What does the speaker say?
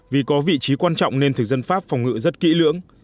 vì có vị trí quan trọng nên thực dân pháp phòng ngự rất kỹ lưỡng